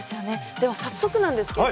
では早速なんですけれども。